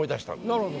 なるほど。